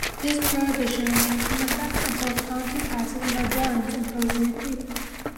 This prohibition remains in effect until a county passes an ordinance imposing a fee.